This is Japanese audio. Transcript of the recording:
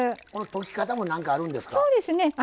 この溶き方も何かあるんですか？